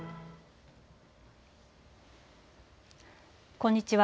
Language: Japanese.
こんにちは。